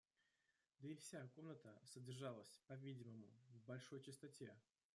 Да и вся комната содержалась, по-видимому, в большой чистоте.